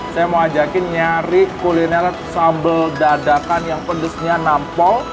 saya mau ajakin nyari kuliner sambal dadakan yang pedesnya nampol